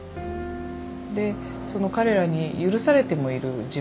でその彼らに許されてもいる自分っていう。